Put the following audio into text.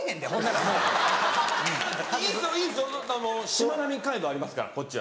しまなみ海道ありますからこっちは。